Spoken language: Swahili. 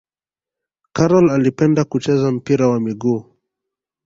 Karol alipenda kucheza mpira wa miguu